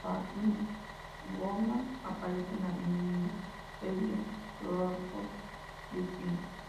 Batwoman aparece en la miniserie "Cry for Justice.